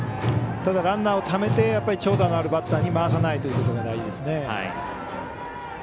ただ、ランナーをためて長打のあるバッターに回さないことにはですね。